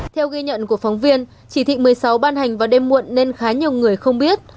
theo ghi nhận của phóng viên chỉ thị một mươi sáu ban hành vào đêm muộn nên khá nhiều người không biết